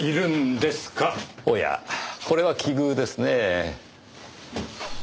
おやこれは奇遇ですねぇ。